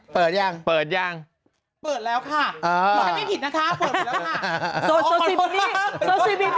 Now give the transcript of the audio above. เปิดยังเปิดยังเปิดแล้วค่ะเออไม่ผิดนะคะเปิดไปแล้วค่ะโซซีบินี่โซซีบินี่